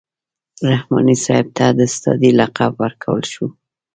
رحماني صاحب ته د استادۍ لقب ورکول شوی.